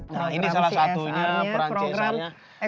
nah ini salah satunya perancasanya